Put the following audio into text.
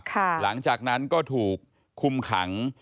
หลังจากนั้นก็ถูกคุมขัง